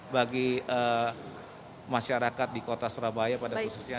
bagi masyarakat di kota surabaya pada khususnya